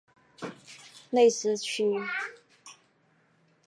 内斯屈。